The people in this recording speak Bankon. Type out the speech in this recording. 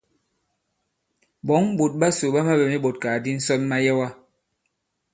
Ɓɔ̌ŋ ɓòt ɓasò ɓa maɓɛ̀m iɓɔ̀tkàgàdi ǹsɔn mayɛwa.